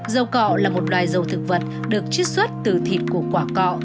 dầu cọ là một loài dầu thực vật được chiết xuất từ thịt của quả cọ